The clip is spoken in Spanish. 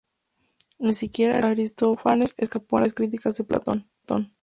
Ni siquiera Aristófanes escapó a las críticas de Platón.